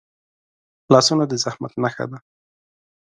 لاسونه د زحمت نښه ده